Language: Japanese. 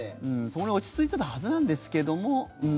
そこに落ち着いてたはずなんですけども。